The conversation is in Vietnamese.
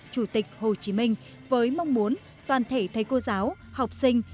chủ tịch hồ chí minh với mong muốn toàn thể thầy cô giáo học sinh